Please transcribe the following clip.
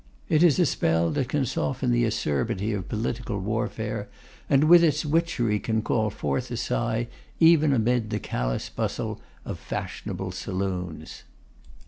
It is a spell that can soften the acerbity of political warfare, and with its witchery can call forth a sigh even amid the callous bustle of fashionable saloons.